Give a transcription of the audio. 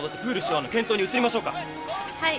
はい！